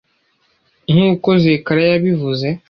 nk`uko zekariya yabivuze